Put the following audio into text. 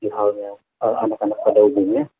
halnya anak anak pada umumnya